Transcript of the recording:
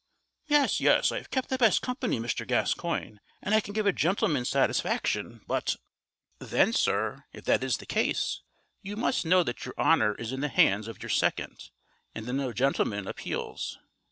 "Yes, yes, I've kept the best company, Mr. Gascoigne, and I can give a gentleman satisfaction; but " "Then sir, if that is the case, you must know that your honour is in the hands of your second, and that no gentleman appeals."